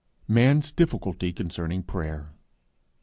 MAN'S DIFFICULTY CONCERNING PRAYER.